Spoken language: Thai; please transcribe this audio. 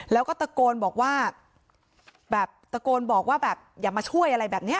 แล้วก็ตะโกนบอกว่าแบบตะโกนบอกว่าแบบอย่ามาช่วยอะไรแบบนี้